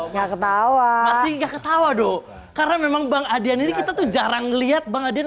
nggak ketawa nggak ketawa doh karena memang bang adrian ini kita tuh jarang lihat banget dan